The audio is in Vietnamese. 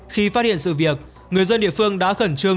khi phát hiện sự việc người dân địa phương